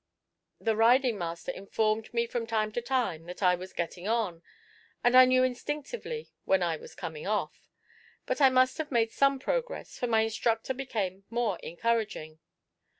The riding master informed me from time to time that I was getting on, and I knew instinctively when I was coming off; but I must have made some progress, for my instructor became more encouraging.